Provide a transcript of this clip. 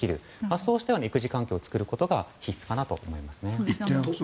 そうしたような育児環境を作ることが必須かなと思います。